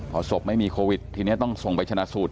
พอศพไม่มีโควิดทีนี้ต้องส่งไปชนะสูตร